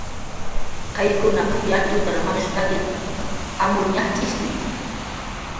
"Qayllkunaq yatxutar manushp""taki amur ñajch'ishki"